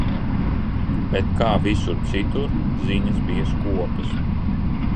Bet, kā visur citur, ziņas bija skopas.